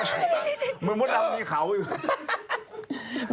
เหมือนวดนำมีเขาอยู่